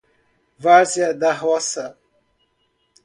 Várzea da Roça